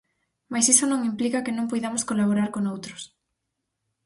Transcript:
Mais iso non implica que non poidamos colaborar con outros.